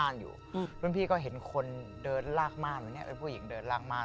รุ่นพี่ก็เห็นคนเดินลากม่าน